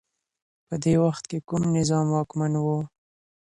په دې وخت کي کوم نظام واکمن و؟